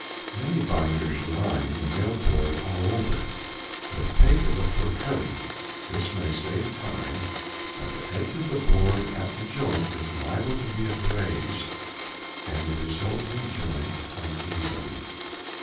Many binders line the mill board all over with paper before cutting; this may save time, but the edge of the board at the joint is liable to be abraised, and the resulting joint uneven.